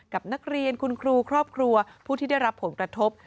กับนักเรียนคุณครูครอบครัวผู้ที่ได้รับผลกระทบ